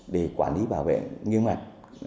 để quản lý bảo vệ nghiêm mặt